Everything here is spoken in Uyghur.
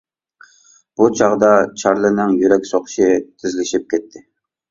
بۇ چاغدا چارلىنىڭ يۈرەك سوقۇشى تېزلىشىپ كەتتى.